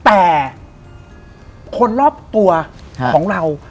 แต่คนรอบตัวของเรา